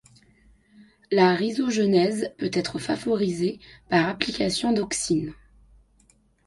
La rhizogenèse peut être favorisée par application d'auxine.